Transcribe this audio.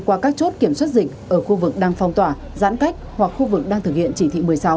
qua các chốt kiểm soát dịch ở khu vực đang phong tỏa giãn cách hoặc khu vực đang thực hiện chỉ thị một mươi sáu